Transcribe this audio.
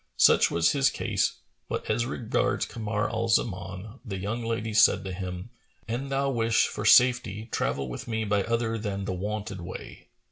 Such was his case; but as regards Kamar al Zaman, the young lady said to him, "An thou wish for safety, travel with me by other than the wonted way."